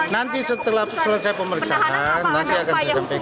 nanti setelah selesai pemeriksaan nanti akan saya sampaikan